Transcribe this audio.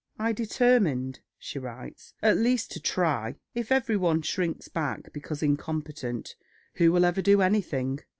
"I determined," she writes, "at least to try.... If every one shrinks back because incompetent, who will ever do anything?